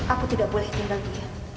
aku tidak boleh tinggal di sini